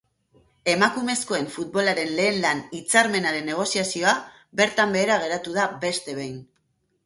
Emakumezkoen futbolaren lehen lan hitzarmenaren negoziazioa bertan behera geratu da beste behin.